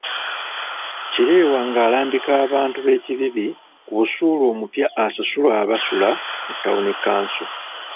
Kireewa ng'alambika abantu b'e Kibibi ku busuulu omupya asasulwa abasula mu Town Council.